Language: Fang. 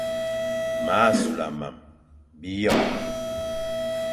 M a sula mam, biyem,